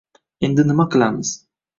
endi nima qilamiz